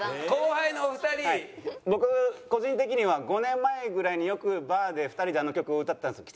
僕個人的には５年前ぐらいによくバーで２人であの曲を歌ってたんですよ